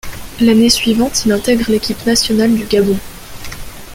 L'année suivante il intègre l'équipe nationale du Gabon.